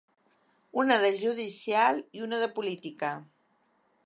Una de judicial i una de política.